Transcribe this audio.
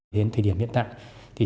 đến thời điểm hiện tại